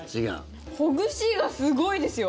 ほぐしがすごいですよ。